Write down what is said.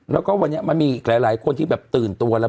แล้วก็วันนี้มันมีอีกหลายคนที่แบบตื่นตัวแล้ว